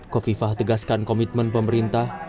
kofifah tegaskan komitmen pemerintah